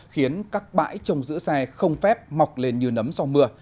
khiến các bãi trông giữ xe không phép mọc lên như nấm so mưa